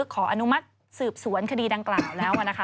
ขออนุมัติสืบสวนคดีดังกล่าวแล้วนะคะ